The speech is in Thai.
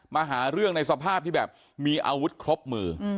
มาหาเรื่องในสภาพที่แบบมีอาวุธครบมือ